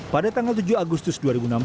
pada tanggal tujuh agustus dua ribu enam belas